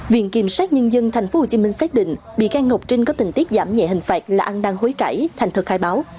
viện kiểm sát nhân dân tp hcm xác định bị can ngọc trinh có tình tiết giảm nhẹ hình phạt là ăn đăng hối cãi thành thật khai báo